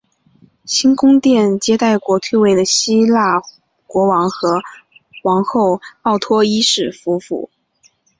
新宫殿接待过退位的希腊国王和王后奥托一世夫妇。